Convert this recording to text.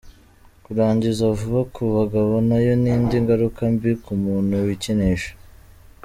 Kurangiza vuba ku bagabo nayo ni indi ngaruka mbi ku muntu wikinisha.